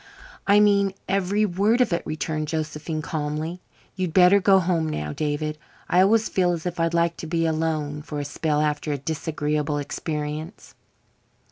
"I mean every word of it," returned Josephine calmly. "You'd better go home now, David. I always feel as if I'd like to be alone for a spell after a disagreeable experience."